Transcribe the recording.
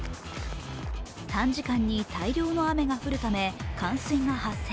短時間に大量の雨が降るため冠水が発生。